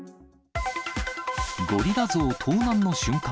ゴリラ像盗難の瞬間。